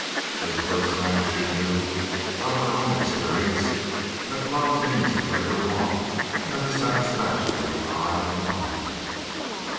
For the first time she knew out of her own experience that love means a greater want than the satisfaction of the eye and mind.